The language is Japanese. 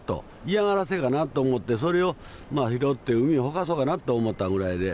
嫌がらせかなと思って、それを拾って海にほかそうかなと思ったぐらいで。